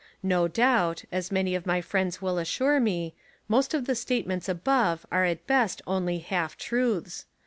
No doubt, as many of my friends will assure me, most of the statements above are at best only half truths.